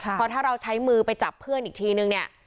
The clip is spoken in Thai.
เพราะถ้าเราใช้มือไปจับเพื่อนอีกทีนึงเนี่ย